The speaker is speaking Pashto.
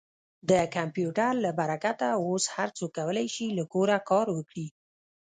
د کمپیوټر له برکته اوس هر څوک کولی شي له کوره کار وکړي.